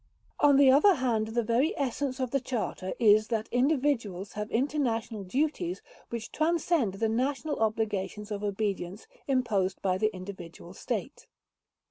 On the other hand the very essence of the Charter is that individuals have international duties which transcend the national obligations of obedience imposed by the individual state.